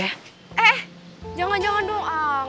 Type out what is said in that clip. eh jangan jangan dong